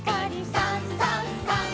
「さんさんさん」